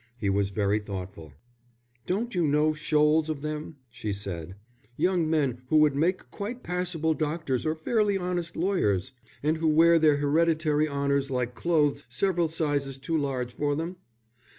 He was very thoughtful. "Don't you know shoals of them?" she said. "Young men who would make quite passable doctors or fairly honest lawyers, and who wear their hereditary honours like clothes several sizes too large for them?